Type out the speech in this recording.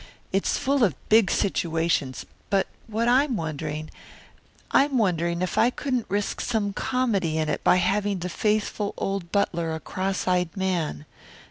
It's full of big situations, but what I'm wondering I'm wondering if I couldn't risk some comedy in it by having the faithful old butler a cross eyed man.